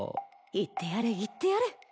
言ってやれ言ってやれ。